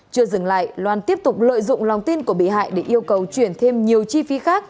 chưa dừng lại loan tiếp tục lợi dụng lòng tin của bị hại để yêu cầu chuyển thêm nhiều chi phí khác